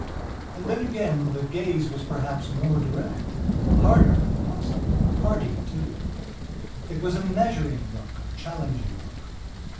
And then again, the gaze was perhaps more direct, harder if possiblehardy too. It was a measuring look; a challenging look.